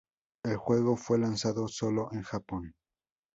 El juego fue lanzado solo en Japón.